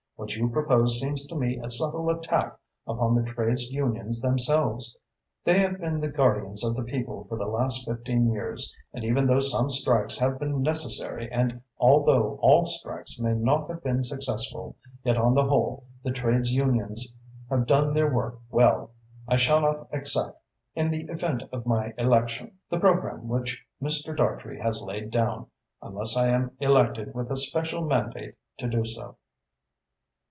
What you propose seems to me a subtle attack upon the trades unions themselves. They have been the guardians of the people for the last fifteen years, and even though some strikes have been necessary and although all strikes may not have been successful, yet on the whole the trades unions have done their work well. I shall not accept, in the event of my election, the programme which Mr. Dartrey has laid down, unless I am elected with a special mandate to do so."